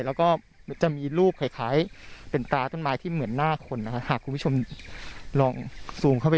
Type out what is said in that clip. แล้วก็จะมีรูปคล้ายเป็นตาต้นไม้ที่เหมือนหน้าคนนะครับ